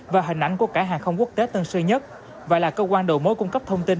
và hình ảnh của cảng hàng không quốc tế tân sơn nhất và là cơ quan đầu mối cung cấp thông tin